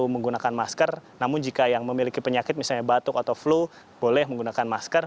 menggunakan masker namun jika yang memiliki penyakit misalnya batuk atau flu boleh menggunakan masker